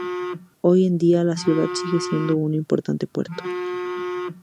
Hoy en día, la ciudad sigue siendo un importante puerto.